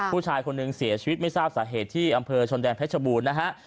ผู้ชายคนหนึ่งเสียชีวิตไม่ทราบสาเหตุที่อำเภอชนแดนเพชรบูรณ์นะฮะ